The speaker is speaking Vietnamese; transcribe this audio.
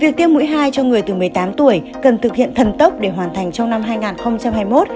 việc tiêm mũi hai cho người từ một mươi tám tuổi cần thực hiện thần tốc để hoàn thành trong năm hai nghìn hai mươi một